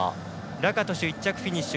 ラカトシュ１着フィニッシュ。